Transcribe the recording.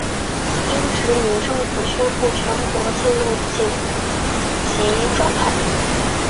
英殖民政府宣布全国进入紧急状态。